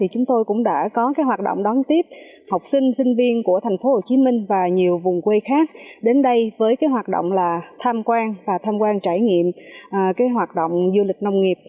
chúng tôi cũng đã có hoạt động đón tiếp học sinh sinh viên của thành phố hồ chí minh và nhiều vùng quê khác đến đây với hoạt động tham quan và tham quan trải nghiệm hoạt động du lịch nông nghiệp